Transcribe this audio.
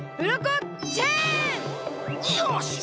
よし！